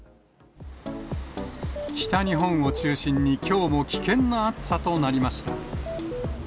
北日本を中心にきょうも危険な暑さとなりました。